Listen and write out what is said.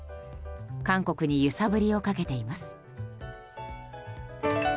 韓国にゆさぶりをかけています。